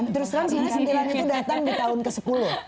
terus terang sebenarnya sentilan itu datang di tahun ke sepuluh